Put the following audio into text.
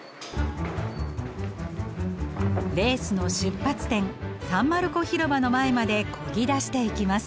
レースの出発点サン・マルコ広場の前まで漕ぎ出していきます。